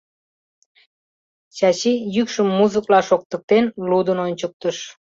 Чачи, йӱкшым музыкла шоктыктен, лудын ончыктыш: